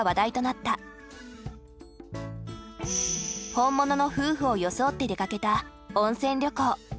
本物の夫婦を装って出かけた温泉旅行。